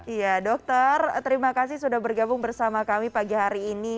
iya dokter terima kasih sudah bergabung bersama kami pagi hari ini